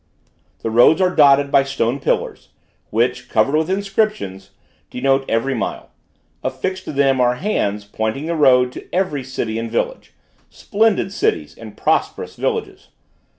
The roads are dotted by stone pillars, which, covered with inscriptions, denote every mile; affixed to them are hands pointing the road to every city and village; splendid cities and prosperous villages!